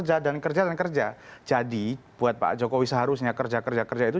jadi buat pak jokowi seharusnya kerja kerja itu